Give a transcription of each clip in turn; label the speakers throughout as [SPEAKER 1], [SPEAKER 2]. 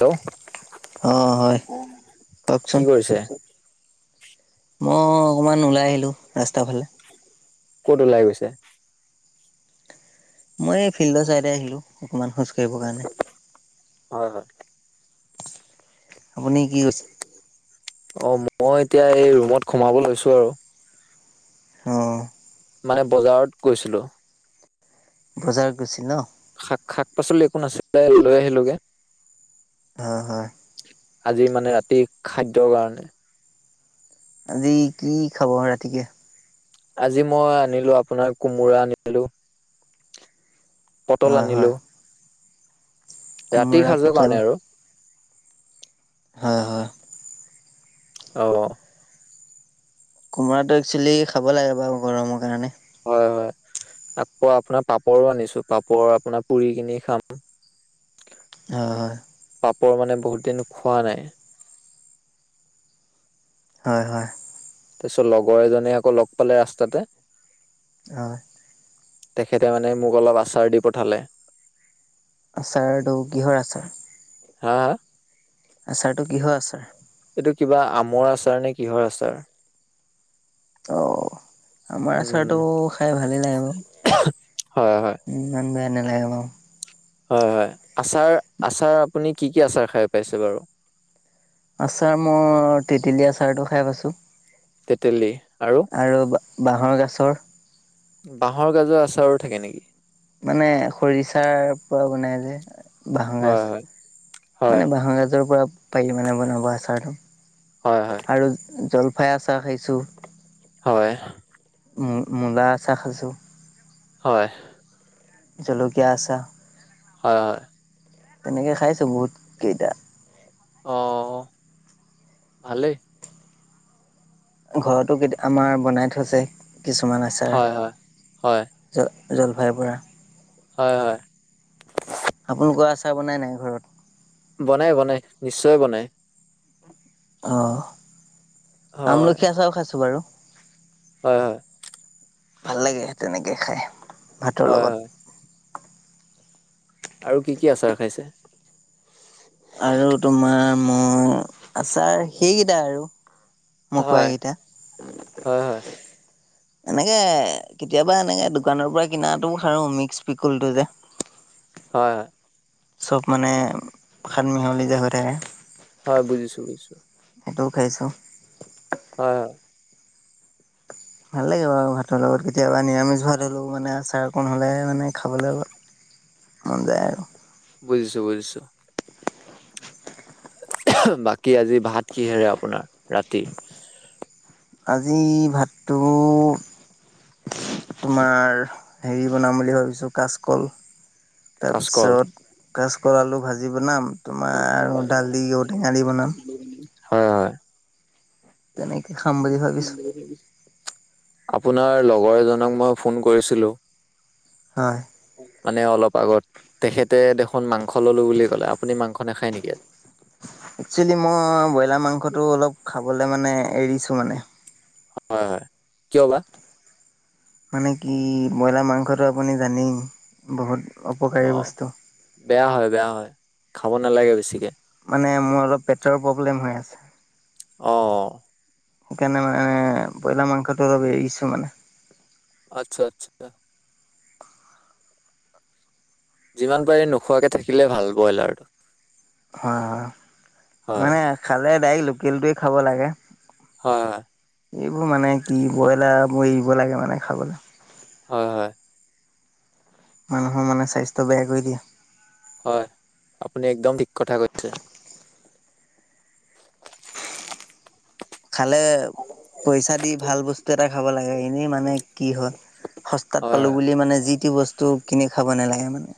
[SPEAKER 1] Hello
[SPEAKER 2] অ', হয়,
[SPEAKER 1] কি
[SPEAKER 2] কওঁকচোন।
[SPEAKER 1] কৰিছে?
[SPEAKER 2] মই অকমান ওলাই আহিলো, ৰাস্তাৰ ফালে।
[SPEAKER 1] ক'ত ওলাই গৈছে?
[SPEAKER 2] মই এই ফিল্ডৰ চাইডে আহিলো, অকণমান খোজ কাঢ়িব কাৰণে।
[SPEAKER 1] হয় হয়।
[SPEAKER 2] আপুনি কি কৰিছে?
[SPEAKER 1] অ', মই এতিয়া এই ৰুমত সোমাব লৈছোঁ আৰু।
[SPEAKER 2] অ'।
[SPEAKER 1] মানে বজাৰত গৈছিলো।
[SPEAKER 2] বজাৰত গৈছিল ন?
[SPEAKER 1] শাক, শাক পাচলি একো নাছিলে, লৈ আহিলোগে।
[SPEAKER 2] অ', হয়।
[SPEAKER 1] আজি মানে ৰাতিৰ খাদ্যৰ কাৰণে।
[SPEAKER 2] আজি কি খাব ৰাতিকে?
[SPEAKER 1] আজি মই আনিলো, আপোনাৰ কোমোৰা আনিলো, পটল
[SPEAKER 2] হয় হয়
[SPEAKER 1] আনিলো। ৰাতিৰ
[SPEAKER 2] কোমোৰা
[SPEAKER 1] সাজৰ
[SPEAKER 2] পটল
[SPEAKER 1] কাৰণে আৰু।
[SPEAKER 2] হয় হয়।
[SPEAKER 1] অ'।
[SPEAKER 2] কোমৰাটো একচোৱেলি খাব লাগে বাৰু, গৰমৰ কাৰণে।
[SPEAKER 1] হয় হয়, আকৌ আপোনাৰ পাপৰো আনিছো, পাপৰ আপোনাৰ পুৰি কিনি খাম।
[SPEAKER 2] হয়
[SPEAKER 1] পাপৰ মানে বহুত দিন খোৱা নাই।
[SPEAKER 2] হয় হয়।
[SPEAKER 1] তাৰপিছত লগৰ এজনে আকৌ ল'গ পালে ৰাস্তাতে।
[SPEAKER 2] অহ।
[SPEAKER 1] তেখেতে মানে মোক অলপ আচাৰ দি পঠালে।
[SPEAKER 2] আচাৰটো, কিহৰ আচাৰ?
[SPEAKER 1] হা হা?
[SPEAKER 2] আচাৰতটো কিহৰ আচাৰ?
[SPEAKER 1] এইটো কিবা আমৰ আচাৰ নে কিহৰ আচাৰ।
[SPEAKER 2] অ'। আমাৰ
[SPEAKER 1] উম
[SPEAKER 2] আচাৰটো খাই ভালেই লাগে বাৰু,
[SPEAKER 1] হয় হয়
[SPEAKER 2] ইমান বেয়া নালাগে বাৰু।
[SPEAKER 1] হয় হয়, আচাৰ, আচাৰ আপুনি কি কি আচাৰ খাই পাইছে বাৰু?
[SPEAKER 2] আচাৰ মই, তেতেলী আচাৰটো খাই পাইছো
[SPEAKER 1] তেতেলী আৰু
[SPEAKER 2] আৰু বা-বাঁহৰ গাছৰ-?
[SPEAKER 1] বাঁহৰ গাছৰ আচাৰো থাকে নেকি?
[SPEAKER 2] মানে খৰিচাৰ পৰা বনাই যে! বাঁহৰ
[SPEAKER 1] হয়
[SPEAKER 2] গাছ,
[SPEAKER 1] হয় হয়
[SPEAKER 2] মানে বাঁহৰ গাছৰ পৰা পাৰি মানে বনাব আচাৰটো।
[SPEAKER 1] হয় হয়
[SPEAKER 2] আৰু জলফাই আচাৰ খাইছোঁ।
[SPEAKER 1] হয়।
[SPEAKER 2] মূ-মূলা আচাৰ খাইছোঁ।
[SPEAKER 1] হয়।
[SPEAKER 2] জলকীয়া আচাৰ!
[SPEAKER 1] হয়, হয়।
[SPEAKER 2] এনেকে খাইছো বহুত কেইটা।
[SPEAKER 1] অ', অ', অ' ভালেই।
[SPEAKER 2] ঘৰতো কেতি, আমাৰ বনাই থৈছে কিছুমান আচাৰ।
[SPEAKER 1] হয় হয় হয়
[SPEAKER 2] জ-জলভাই পৰা।
[SPEAKER 1] হয়, হয়।
[SPEAKER 2] আপোনালোকৰ আচাৰ বনাই নাই ঘৰত?
[SPEAKER 1] বনাই বনাই, নিশ্চয় বনাই।
[SPEAKER 2] অ'
[SPEAKER 1] হয়
[SPEAKER 2] আমলখী আচাৰো খাইছো বাৰু।
[SPEAKER 1] হয়, হয়।
[SPEAKER 2] ভাল লাগে তেনেকে খাই, ভাতৰ
[SPEAKER 1] হয়
[SPEAKER 2] লগত।
[SPEAKER 1] হয় আৰু কি কি আচাৰ খাইছে?
[SPEAKER 2] আৰু তোমাৰ মই আচাৰ সেইকেইটা আৰু মই
[SPEAKER 1] হয়
[SPEAKER 2] কোৱা
[SPEAKER 1] হয়
[SPEAKER 2] কেইটা।
[SPEAKER 1] হয়
[SPEAKER 2] এনেকে, কেতিয়াবা এনেকে দোকানৰ পৰা কিনাটো খাওঁ, মিক্স পিকুলটো যে।
[SPEAKER 1] হয়, হয়।
[SPEAKER 2] চব মানে, সানমিহলি যে হৈ থাকে।
[SPEAKER 1] হয়, বুজিছো, বুজিছো।
[SPEAKER 2] সেইটোও খাইছোঁ।
[SPEAKER 1] হয়, হয়।
[SPEAKER 2] ভালই বাৰু ভাতৰ লগত কেতিয়াবা, নিৰামিষ ভাত হ'লেও মানে আচাৰ অকণ হ'লে মানে খাবলৈ মন যায় আৰু।
[SPEAKER 1] বুজিছো, বুজিছো। এহে বাকি আজি ভাত কিহেৰে আপোনাৰ, ৰাতি?
[SPEAKER 2] আজি ভাতটো তোমাৰ, হেৰি বনাম বুলি ভাবিছো কাচকল।
[SPEAKER 1] কাচকল
[SPEAKER 2] তাৰপিছত কাচকল আলু ভাজি বনাম তোমাৰ আৰু দাল ঔটেঙা দি বনাম।
[SPEAKER 1] হয়, হয়।
[SPEAKER 2] তেনেকা
[SPEAKER 1] আপোনাৰ লগৰ এজনক মই ফোন কৰিছিলো।
[SPEAKER 2] হয়।
[SPEAKER 1] মানে অলপ আগত, তেখেতে দেখোন মাংস ল'লো বুলি ক'লে, আপুনি মাংস নাখায় নেকি আজি?
[SPEAKER 2] একচুৱেলি মই, ব্ৰইলাৰ মাংসটো অলপ খাবলে মানে এৰিছো মানে।
[SPEAKER 1] হয় হয়, কিয় বা?
[SPEAKER 2] মানে কি ব্ৰইলাৰ মাংসটো আপুনি জানেই, বহুত
[SPEAKER 1] অ
[SPEAKER 2] অপকাৰী বস্তু।
[SPEAKER 1] বেয়া হয়, বেয়া হয় খাব নালাগে বেছিকে।
[SPEAKER 2] মানে মোৰ অলপ পেটৰ প্ৰব্লেম হৈ আছে।
[SPEAKER 1] অ অ।
[SPEAKER 2] সেইকাৰণে মানে ব্ৰইলাৰ মাংসটো অলপ এৰিছো মানে।
[SPEAKER 1] আটচ্ছা আটচ্ছা। যিমান পাৰি নোখোৱাকে থাকিলে ভাল বয়লাৰ।
[SPEAKER 2] হয় হয়,
[SPEAKER 1] হয়
[SPEAKER 2] মানে খালে ডাইৰেক্ট লোকেলটোৱেই খাব লাগে।
[SPEAKER 1] হয় হয়।
[SPEAKER 2] এইবোৰ মানে কি বয়লাৰবোৰ এৰিব লাগে মানে খাবলে।
[SPEAKER 1] হয় হয়।
[SPEAKER 2] মানুহৰ মানে স্বাস্থ্য বেয়া কৰি দিয়ে।
[SPEAKER 1] হয়, আপুনি একদম ঠিক কথা কৈছে।
[SPEAKER 2] খালে পইচা দি ভাল বস্তু এটা খাব লাগে, এনেই মানে কি হ'য় সস্তাত
[SPEAKER 1] হয়
[SPEAKER 2] পালো
[SPEAKER 1] হয়
[SPEAKER 2] বুলি মানে যিটি বস্তু কিনি খাব নালাগে মানে।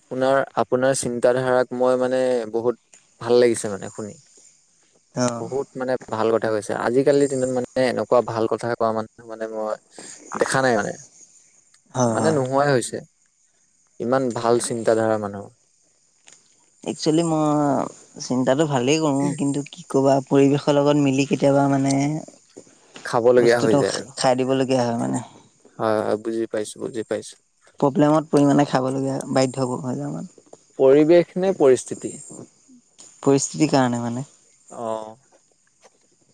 [SPEAKER 1] আপোনাৰ, আপোনাৰ চিন্তাধাৰাক মই মানে বহুত ভাল লাগিছে মানে শুনি।
[SPEAKER 2] অ
[SPEAKER 1] বহুত মানে ভাল কথা কৈছে, আজিকালিৰ দিনত মানে এনেকুৱা ভাল কথা কোৱা মানুহ মানে মই দেখা নাই মানে,
[SPEAKER 2] হয়
[SPEAKER 1] মানে
[SPEAKER 2] হয়
[SPEAKER 1] নোহোৱাই হৈছে। ইমান ভাল চিন্তাধাৰা মানুহ।
[SPEAKER 2] একচুৱেলি মই চিন্তাটো ভালেই কৰো। কিন্তু, কি ক'বা পৰিৱেশৰ লগত মিলি কেতিয়াবা মানে
[SPEAKER 1] খাবলগীয়া হৈ
[SPEAKER 2] বস্তুটো
[SPEAKER 1] যায় আৰু
[SPEAKER 2] খা-খাই দিবলগীয়া হয় মানে।
[SPEAKER 1] হয় হয়, বুজি পাইছো বুজি পাইছো।
[SPEAKER 2] প্ৰব্লেমত পৰি মানে খাবলগীয়া হয়, বাধ্যকৰ হৈ যাওঁ মানে।
[SPEAKER 1] পৰিৱেশ নে পৰিস্থিতি?
[SPEAKER 2] পৰিস্থিতিৰ কাৰণে মানে।
[SPEAKER 1] অ'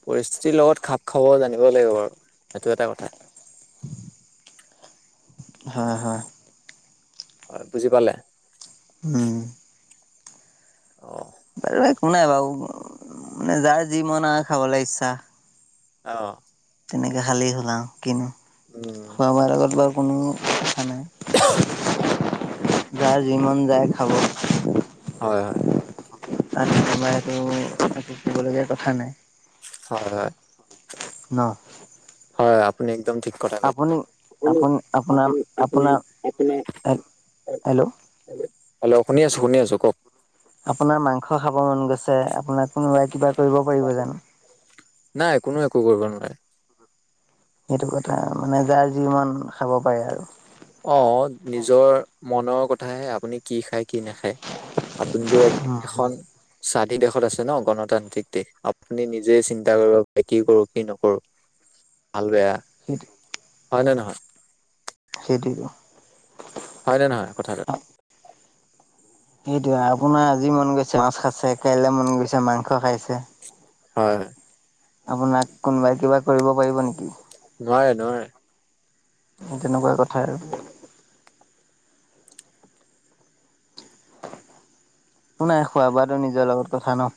[SPEAKER 1] পৰিস্থিতিৰ লগত খাপ খাব জানিব লাগিব বাৰু, সেইটো এটা কথা।
[SPEAKER 2] [inaudible] হয় হয়।
[SPEAKER 1] হয়, বুজি পালে?
[SPEAKER 2] উম।
[SPEAKER 1] অ'।
[SPEAKER 2] বাৰু একো নাই বাৰু মানে যাৰ যি মন আ খাবলে ইচ্ছা।
[SPEAKER 1] অ'।
[SPEAKER 2] তেনেকে খালেই হ'ল আও। কিনো
[SPEAKER 1] উম
[SPEAKER 2] খোৱা বোৱাৰ লগত বাৰু কোনো কথা নাই। যাৰ যি মন যায় খাব।
[SPEAKER 1] হয় হয়।
[SPEAKER 2] আমি তোমাৰ এইটো [unintelligible] কবলগীয়া কথা নাই।
[SPEAKER 1] হয় হয়।
[SPEAKER 2] ন?
[SPEAKER 1] হয়, আপুনি একদম ঠিক কথা কৈছে
[SPEAKER 2] আপুনি আপুনি আপোনাৰ আপোনাৰ হে হেল্ল'!
[SPEAKER 1] হেল্ল'! শুনি আছো, শুনি আছো কওক।
[SPEAKER 2] আপোনাৰ মাংস খাব মন গৈছে আপোনাক কোনোবাই কিবা কৰিব পাৰিব জানো?
[SPEAKER 1] নাই কোনো একো কৰিব নোৱাৰে।
[SPEAKER 2] সেইটো কথা, মানে যাৰ যি মন খাব পাৰে আৰু।
[SPEAKER 1] অ', নিজৰ মনৰ কথাহে আপুনি কি খায়, কি নাখায়, আপুনিতো এখন স্বাধীন দেশত আছে ন, গণতান্ত্ৰিক দেশ, আপুনি নিজে চিন্তা কৰিব পাৰে কি কৰো, কি নকৰো ভাল বেয়া।
[SPEAKER 2] সেইটোৱে।
[SPEAKER 1] হয় নে নহয়?
[SPEAKER 2] সেইটোৱেইটো।
[SPEAKER 1] হয় নে নহয় কথাটো?
[SPEAKER 2] সেইটোয়ে, আপোনাৰ আজি মন গৈছে মাছ খাইছে, কাইলৈ মন গৈছে মাংস খাইছে।
[SPEAKER 1] হয়।
[SPEAKER 2] আপোনাক, কোনোবাই কিবা কৰিব পাৰিব নেকি?
[SPEAKER 1] নোৱাৰে নোৱাৰে।
[SPEAKER 2] সেই তেনেকুৱা কথা আৰু। একো নাই, খোৱা বোৱাটো নিজৰ লগত কথা ন।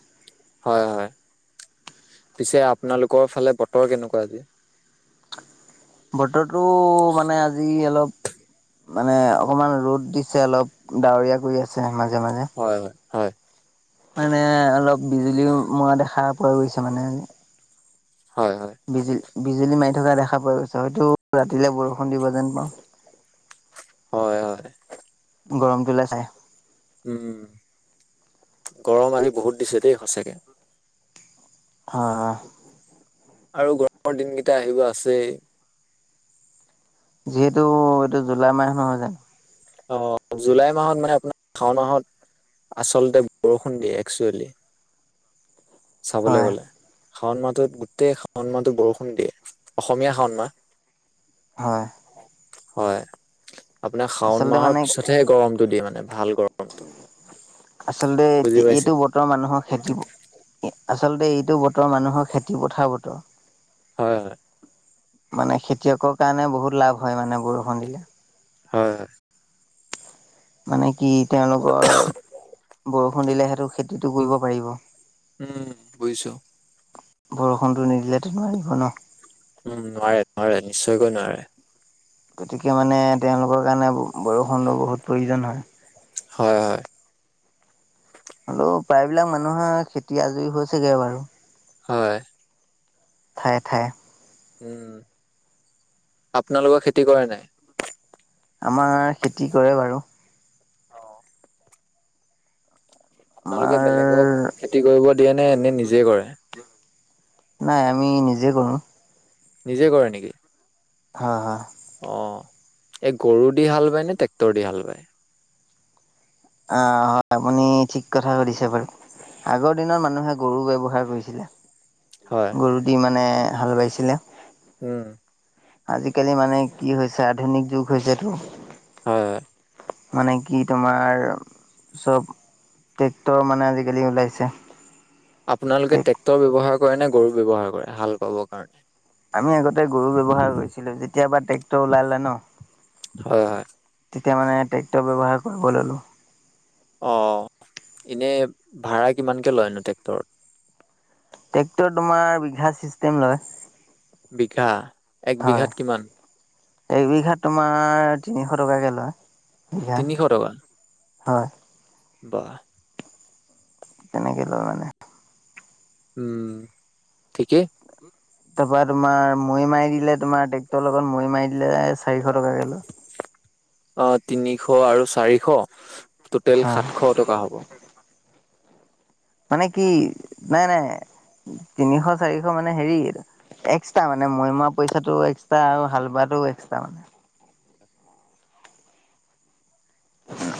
[SPEAKER 1] হয় হয়, পিছে আপোনালোকৰ ফালে বতৰ কেনেকুৱা আজি?
[SPEAKER 2] বতৰটো মানে আজি অলপ মানে অকণমান ৰ'দ দিছে অলপ, ডাৱৰীয়া কৰি আছে মাজে মাজে।
[SPEAKER 1] হয় হয়, হয়।
[SPEAKER 2] মানে অলপ বিজুলীও মৰা দেখা পোৱা গৈছে মানে আজি।
[SPEAKER 1] হয় হয়।
[SPEAKER 2] বিজুলী, বিজুলী মাৰি থকা দেখা পোৱা গৈছে হয়তো ৰাতিলে বৰষুণ দিব যেন পাওঁ।
[SPEAKER 1] হয় হয়।
[SPEAKER 2] গৰমটোলে চাই।
[SPEAKER 1] উম, গৰম আজি বহুত দিছে দেই সঁচাকে।
[SPEAKER 2] হয়, হয়।
[SPEAKER 1] আৰু গৰমৰ দিনকেইটা আহিব আছেই।
[SPEAKER 2] যিহেতু এইটো জুলাই মাহ নহয় জানো।
[SPEAKER 1] অ' জুলাই মাহত মানে আপোনাৰ শাওণ মাহত আচলতে বৰষুণ দিয়ে, একচুৱেলি। চাবলৈ
[SPEAKER 2] হয়
[SPEAKER 1] গ'লে, শাওণ মাহটোত গোটেই শাওণ মাহটো বৰষুণ দিয়ে, অসমীয়া শাওণ মাহ।
[SPEAKER 2] হয়।
[SPEAKER 1] হয়, আপোনাৰ শাওণ
[SPEAKER 2] আচলতে
[SPEAKER 1] মাহৰ
[SPEAKER 2] মানে
[SPEAKER 1] পিছতহে গৰমটো দিয়ে মানে ভাল গৰমটো।
[SPEAKER 2] আচলতে
[SPEAKER 1] বুজি পাইছে
[SPEAKER 2] এইটো বত তৰ মানুহৰ খেতি-প, আচলতে এইটো বতৰৰ মানুহৰ খেতি-পথাৰ বতৰ।
[SPEAKER 1] হয়, হয়।
[SPEAKER 2] মানে খেতিয়কৰ কাৰণে বহুত লাভ হয়, মানে বৰষুণ দিলে।
[SPEAKER 1] হয়, হয়।
[SPEAKER 2] মানে কি তেওঁলোকৰ, বৰষুণ দিলে, সেইটো খেতিটো কৰিব পাৰিব।
[SPEAKER 1] উম, বুজিছো।
[SPEAKER 2] বৰষুণতটো নিদিলে [unintelligible]
[SPEAKER 1] উম নোৱাৰে, নোৱাৰে নিশ্চয়কৈ নোৱাৰে।
[SPEAKER 2] গতিকে মানে তেওঁলোকৰ কাৰণে ব-বৰষুণ বহুত প্ৰয়োজন হয়।
[SPEAKER 1] হয়, হয়।
[SPEAKER 2] হ'লেও প্ৰায়বিলাক মানুহৰ খেতি আজৰি হৈছেগে বাৰু।
[SPEAKER 1] হয়।
[SPEAKER 2] ঠায়ে, ঠায়ে।
[SPEAKER 1] উম, আপোনালোকৰ খেতি কৰে নাই?
[SPEAKER 2] আমাৰ খেতি কৰে বাৰু।
[SPEAKER 1] অহ'। আপোনালোকে
[SPEAKER 2] আমাৰ
[SPEAKER 1] বেলেগক খেতি কৰিব দিয়ে নে, নিজে কৰে?
[SPEAKER 2] নাই আমি নিজে কৰোঁ।
[SPEAKER 1] নিজে কৰে নেকি?
[SPEAKER 2] হা, হা।
[SPEAKER 1] অ, ' এ গৰু দি হাল বায় নে, ট্ৰেক্টৰ দি হাল বায়?
[SPEAKER 2] অ' হয়, আপুনি ঠিক কথা সুধিছে বাৰু। আগৰ দিনত মানুহে গৰু ব্যৱহাৰ কৰিছিলে।
[SPEAKER 1] হয়।
[SPEAKER 2] গৰু দি মানে হাল বাইছিলে।
[SPEAKER 1] উম।
[SPEAKER 2] আজিকালি মানে কি হৈছে, আধুনিক যুগ হৈছেটো।
[SPEAKER 1] হয়, হয়।
[SPEAKER 2] মানে কি তোমাৰ চব, ট্ৰেক্টৰ মানে আজিকালি ওলাইছে।
[SPEAKER 1] আপোনালোকে ট্ৰেক্টৰ ব্যৱহাৰ কৰে নে, গৰু ব্যৱহাৰ কৰে, হাল বাবৰ কাৰণে?
[SPEAKER 2] আমি আগতে গৰু ব্যৱহাৰ কৰিছিলোঁ, যেতিয়াবা ট্ৰেক্টৰ ওলালে ন'
[SPEAKER 1] হয় হয়
[SPEAKER 2] তেতিয়া মানে ট্ৰেক্টৰ ব্যৱহাৰ কৰিব ল'লো।
[SPEAKER 1] অ' এনে ভাড়া কিমানকে লয়নো ট্ৰেক্টৰত?
[SPEAKER 2] ট্ৰেক্টৰ তোমাৰ বিঘা চিষ্টেম লয়।
[SPEAKER 1] বিঘা, এক বিঘাত কিমান?
[SPEAKER 2] একবিঘাত তোমাৰ, তিনিশ টকাকৈ লয়, বিঘা
[SPEAKER 1] তিনিশ
[SPEAKER 2] হয়।
[SPEAKER 1] বাহ।
[SPEAKER 2] তেনেকে লয় মানে।
[SPEAKER 1] উম, ঠিকেই।
[SPEAKER 2] তাৰপৰা তোমাৰ মৈ মাৰি দিলে, তোমাৰ ট্ৰেক্টৰৰ লগত মৈ মাৰি দিলে, চাৰিশ টকাকে লয়।
[SPEAKER 1] অ', তিনিশ আৰু চাৰিশ, ট'টেল
[SPEAKER 2] হয়
[SPEAKER 1] সাতশ টকা হ'ব।
[SPEAKER 2] মানে কি? নাই, নাই, তিনিশ চাৰিশ মানে হেৰি এক্সট্ৰা মানে, মৈমা মৰা পইচাটো এক্সট্ৰা, আৰু হাল বোৱাটো এক্সট্ৰা মানে।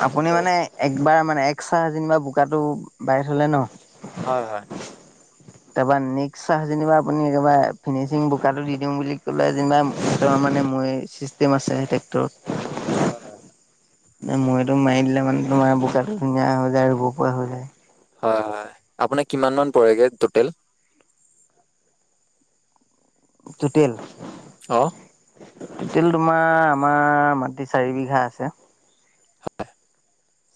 [SPEAKER 2] আপুনি
[SPEAKER 1] হেল্ল'
[SPEAKER 2] মানে একবাৰ মানে, এক চাহ যেনিবা বোকাটো বাঢ়ি থলে ন।
[SPEAKER 1] হয়, হয়।
[SPEAKER 2] তাৰপৰা নেক্সট চাহ, যেনিবা আপুনি একেবাৰে ফিনিচিং বোকাটো দি দিওঁ বুলি ক'লে যেনিবা ত, মানে মৈ চিষ্টেম আছে টেক্টৰত।
[SPEAKER 1] হয়, হয়।
[SPEAKER 2] মানে মৈতো মাৰি দিলে মানে, তোমাৰ বোকাটো ধুনীয়া হৈ যায়, ৰুব পৰা হৈ যায়।
[SPEAKER 1] হয়, হয়, আপোনাক কিমান মান পৰেগে টোটেল?
[SPEAKER 2] টোটেল?
[SPEAKER 1] অ।
[SPEAKER 2] টোটেল তোমাৰ, আমাৰ মাটি চাৰি বিঘা আছে।
[SPEAKER 1] হয়।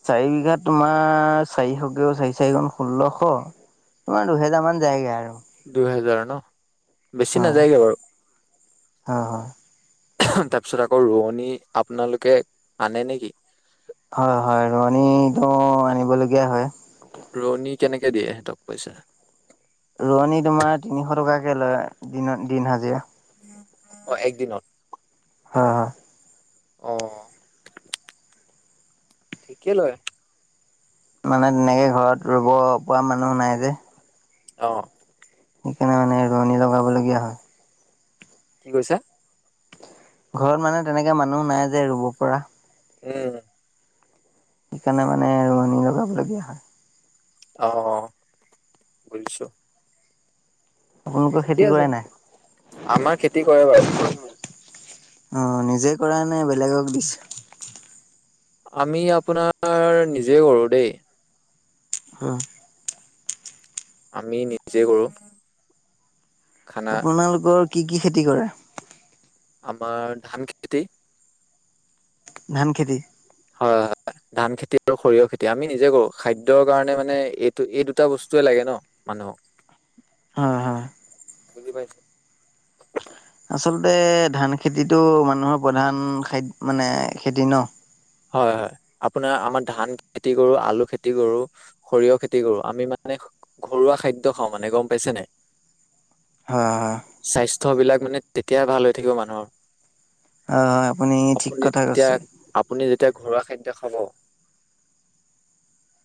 [SPEAKER 2] চাৰি বিঘা তোমাৰ [unintelligible] চাৰি চাৰিগুন ষোল্লশ। তোমাৰ দুহেজাৰ মান যায়গে আৰু।
[SPEAKER 1] দুই হাজাৰ ন? বেছি
[SPEAKER 2] হয়
[SPEAKER 1] নাযায়গে বাৰু
[SPEAKER 2] হয় হয়।
[SPEAKER 1] তাৰপিছত আকৌ ৰোৱনী আপোনালোকে আনে নেকি?
[SPEAKER 2] হয় হয় ৰোৱনীটো আনিবলগীয়া হয়।
[SPEAKER 1] ৰুৱণী কেনেকে দিয়ে সিহঁতক পইচা?
[SPEAKER 2] ৰোৱনী তোমাৰ তিনিশ টকাকে লয় দিনত দিন হাজিৰা।
[SPEAKER 1] অ এক দিনত?
[SPEAKER 2] হয় হয়।
[SPEAKER 1] অ ঠিকেই লয়।
[SPEAKER 2] মানে তেনেকে ঘৰত ৰুব পৰা মানুহ নাই যে।
[SPEAKER 1] অহ।
[SPEAKER 2] সেইকাৰণে মানে ৰোৱনী লগাবলগীয়া হয়।
[SPEAKER 1] কি কৈছা?
[SPEAKER 2] ঘৰত মানে তেনেকে মানুহ নাই যে ৰুব পৰা।
[SPEAKER 1] উম।
[SPEAKER 2] সেইকাৰণে মানে ৰুৱনী লগাবলগীয়া হয়।
[SPEAKER 1] অ অ বুজিছো।
[SPEAKER 2] আপোনালোকৰ
[SPEAKER 1] ঠিকে
[SPEAKER 2] খেতি
[SPEAKER 1] আছে।
[SPEAKER 2] কৰে নাই?
[SPEAKER 1] আমাৰ খেতি কৰে বাৰু।
[SPEAKER 2] অ নিজে কৰে নে বেলেগক দিছে?
[SPEAKER 1] আমি আপোনাৰ নিজে কৰো দেই।
[SPEAKER 2] উম।
[SPEAKER 1] আমি নিজে কৰো। খানা
[SPEAKER 2] আপোনালোকৰ কি কি খেতি কৰে?
[SPEAKER 1] আমাৰ ধান খেত
[SPEAKER 2] ধান খেতি?
[SPEAKER 1] হয় হয়। ধান খেতি আৰু সৰিয়হ খেতি, আমি নিজে কৰো খাদ্যৰ কাৰণে মানে এইটো এই দুটা বস্তুয়ে লাগে ন। মানুহক।
[SPEAKER 2] হয় হয়।
[SPEAKER 1] বুজি পাইছে
[SPEAKER 2] আচলতে ধান খেতিটো মানুহৰ প্ৰধান খাদ মানে খেতি ন।
[SPEAKER 1] হয় হয় আপোনাৰ আমাৰ ধান খেতি কৰো, আলু খেতি কৰো, সৰিয়হ খেতি কৰো আমি মানে ঘৰুৱা খাদ্য খাওঁ মানে গম পাইছে নাই।
[SPEAKER 2] হয় হয়।
[SPEAKER 1] স্বাস্থ্য বিলাক মানে তেতিয়া ভাল হৈ থাকিব মানুহৰ।
[SPEAKER 2] হয় হয় আপুনি ঠিক কথা কৈছে।
[SPEAKER 1] আপুনি যেতিয়া ঘৰুৱা খাদ্য খাব,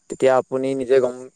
[SPEAKER 1] তেতিয়া আপুনি নিজে গম